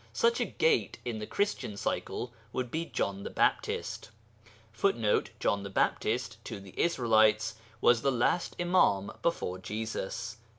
Such a 'Gate' in the Christian cycle would be John the Baptist; [Footnote: John the Baptist, to the Israelites, was the last Imām before Jesus.